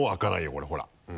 これほら。